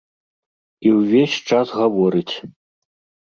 І ўвесь час гаворыць.